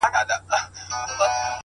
o دا بېچاره به ښـايــي مــړ وي؛